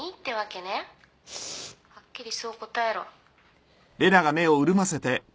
はっきりそう答えろ。